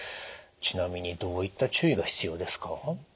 ちなみにどういった注意が必要ですか？